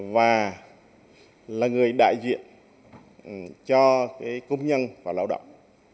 và là người đại diện cho công nhân và lao động